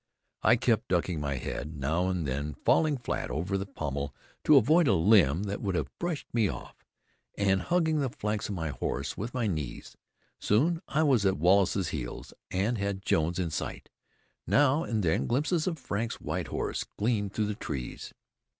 I kept ducking my head, now and then falling flat over the pommel to avoid a limb that would have brushed me off, and hugging the flanks of my horse with my knees. Soon I was at Wallace's heels, and had Jones in sight. Now and then glimpses of Frank's white horse gleamed through the trees.